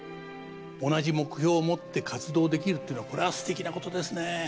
同じ目標を持って活動できるっていうのはこれはすてきなことですね。